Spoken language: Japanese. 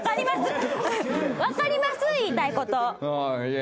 分かります、言いたいこと。